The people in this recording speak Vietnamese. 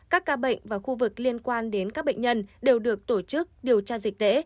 các ca bệnh và khu vực liên quan đến các bệnh nhân đều được tổ chức điều tra dịch tễ